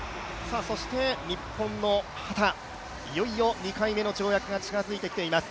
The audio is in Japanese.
そして日本の秦いよいよ２回目の跳躍が近づいてきています。